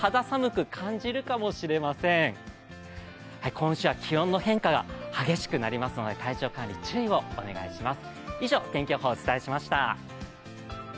今週は気温の変化が激しくなりますので体調管理、注意をお願いします。